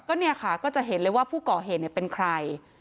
ก็เนี่ยค่ะก็จะเห็นเลยว่าผู้ก่อเหตุเป็นใคร